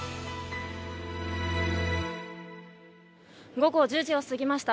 午後１０時を過ぎました。